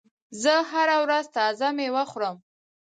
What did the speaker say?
زه هره ورځ تازه مېوه خورم.